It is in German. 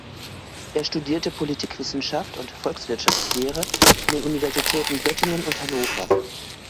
Er studierte Politikwissenschaft und Volkswirtschaftslehre an den Universitäten Göttingen und Hannover.